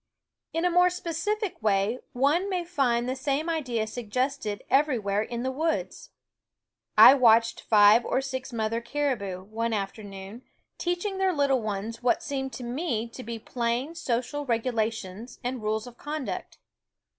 In a more specific way one may find the same idea suggested everywhere in the woods. I watched five or six mother caribou, one afternoon, teaching their little ones what seemed to me to be plain social regulations and rules of conduct.